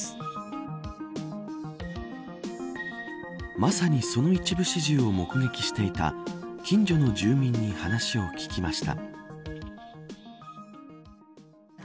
まさにその一部始終を目撃していた近所の住民に話を聞きました。